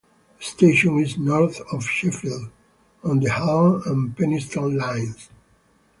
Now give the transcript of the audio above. The station is north of Sheffield on the Hallam and Penistone Lines.